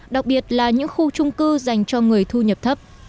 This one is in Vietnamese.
đặc biệt là những khu trung cư dành cho người thu nhập thấp